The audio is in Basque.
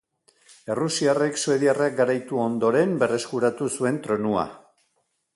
Errusiarrek suediarrak garaitu ondoren berreskuratu zuen tronua.